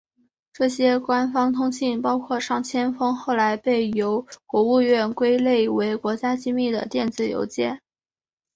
这些官方通信包括上千封后来被由国务院归类为国家机密的电子邮件。